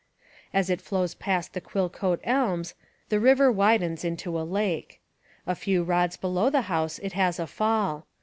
As it flows past the Quillcote elms the river widens into a lake. A few rods below the house it has a fall.